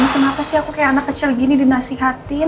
kenapa sih aku kayak anak kecil gini dinasihatin